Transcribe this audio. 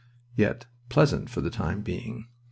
Yet, pleasant for the time being.